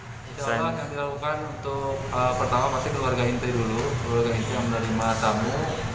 jalan yang dilakukan untuk pertama pasti keluarga inti dulu keluarga inti yang menerima tamu